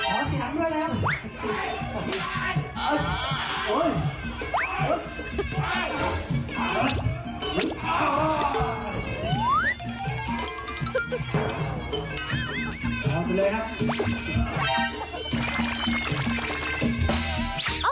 เอาไปเลยนะ